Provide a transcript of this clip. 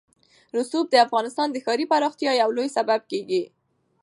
رسوب د افغانستان د ښاري پراختیا یو لوی سبب کېږي.